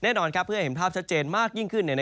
แน่นอนครับเพื่อให้เห็นภาพชัดเจนมากยิ่งขึ้นเลยนะครับ